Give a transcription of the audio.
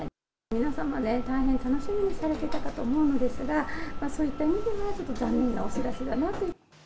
皆様ね、大変楽しみにされていたかと思うんですが、そういった意味では、ちょっと残念なお知らせだなというふうに。